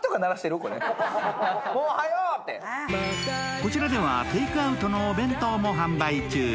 こちらではテイクアウトのお弁当も販売中。